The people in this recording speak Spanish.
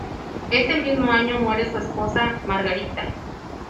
Ese mismo año muere su esposa, Margarita.